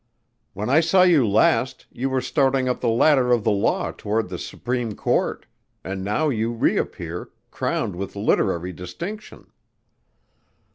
"When I saw you last you were starting up the ladder of the law toward the Supreme Court and now you reappear, crowned with literary distinction."